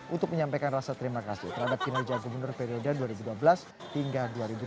untuk menyampaikan rasa terima kasih terhadap kinerja gubernur periode dua ribu dua belas hingga dua ribu tujuh belas